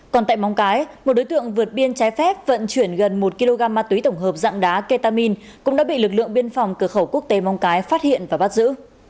còn tại móng cái một đối tượng vượt biên trái phép vận chuyển gần một kg ma túy tổng hợp dạng đá ketamine cũng đã bị lực lượng biên phòng cửa khẩu quốc tế mong cái phát hiện và bắt giữ